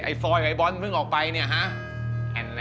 ไอ้โฟย์ของไอ้บอสเพิ่งออกไปนะ